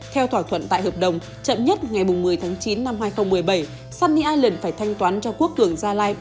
theo thỏa thuận tại hợp đồng chậm nhất ngày một mươi tháng chín năm hai nghìn một mươi bảy sunny island phải thanh toán cho quốc cường gia lai bốn tám trăm linh tỷ đồng